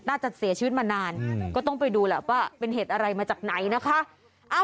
น่าจะเสียชีวิตมานานก็ต้องไปดูแหละว่าเป็นเหตุอะไรมาจากไหนนะคะ